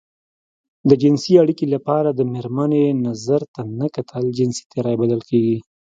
د جنسي اړيکې لپاره د مېرمنې نظر ته نه کتل جنسي تېری بلل کېږي.